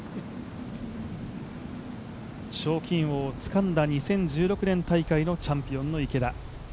賞金王をつかんだ２０１６年大会のチャンピオンの池田。